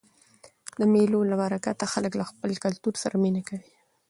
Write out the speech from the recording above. د مېلو له برکته خلک له خپل کلتور سره مینه کوي.